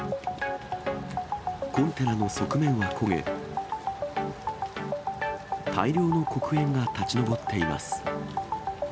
コンテナの側面は焦げ、大量の黒煙が立ち上っています。